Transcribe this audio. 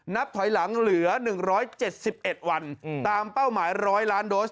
นับถอยหลังเหลือ๑๗๑วันตามเป้าหมาย๑๐๐ล้านโดส